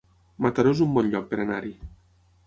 Mataró es un bon lloc per anar-hi